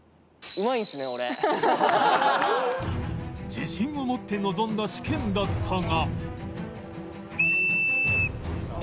自信を持って臨んだ試験だったが